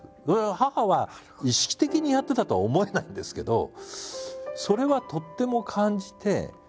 それは母は意識的にやってたとは思えないんですけどそれはとっても感じて。